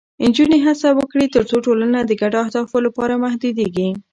نجونې هڅه وکړي، ترڅو ټولنه د ګډو اهدافو لپاره متحدېږي.